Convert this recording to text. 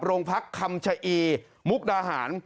โรงพักคำชะอีมุกดาหาร